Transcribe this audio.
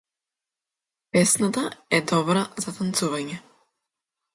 Песната е добра за танцување.